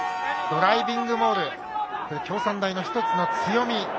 ドライビングモール京産大の１つの強み。